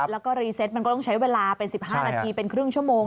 แล้วก็รีเซตมันก็ต้องใช้เวลาเป็น๑๕นาทีเป็นครึ่งชั่วโมง